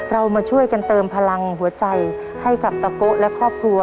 เรามาช่วยกันเติมพลังหัวใจให้กับตะโกะและครอบครัว